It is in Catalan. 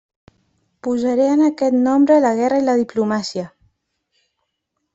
Posaré en aquest nombre la guerra i la diplomàcia.